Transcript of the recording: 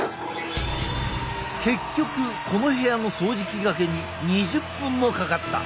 結局この部屋の掃除機がけに２０分もかかった。